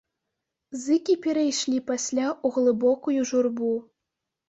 Зыкі перайшлі пасля ў глыбокую журбу.